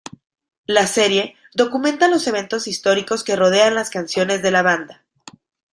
La serie documenta los eventos históricos que rodean las canciones de la banda.